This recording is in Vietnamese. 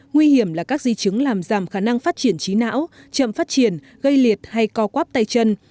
nguy hiểm là các di chứng làm giảm khả năng phát triển trí não chậm phát triển gây liệt hay co quáp tay chân